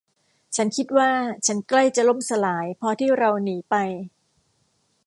ฉันคิดว่าฉันใกล้จะล่มสลายพอที่เราหนีไป